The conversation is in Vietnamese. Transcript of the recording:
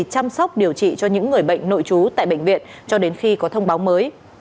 chăm sóc điều trị cho những người bệnh nội trú tại bệnh viện cho đến khi có thông báo mới